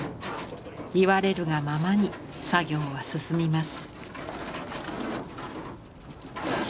言われるがままに作業は進みます。